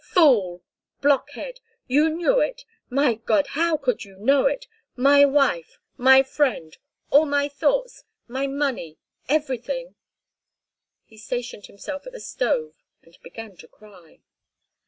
"Fool! Blockhead! You knew it. My God! How could you know it? My wife—my friend, all my thoughts—my money, everything—" He stationed himself at the stove and began to cry.